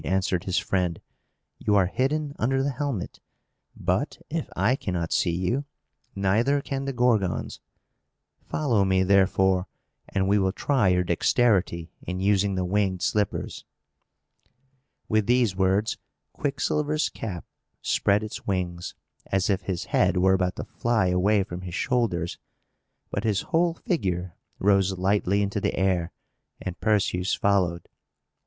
answered his friend. "You are hidden under the helmet. But, if I cannot see you, neither can the Gorgons. Follow me, therefore, and we will try your dexterity in using the winged slippers." With these words, Quicksilver's cap spread its wings, as if his head were about to fly away from his shoulders; but his whole figure rose lightly into the air, and Perseus followed.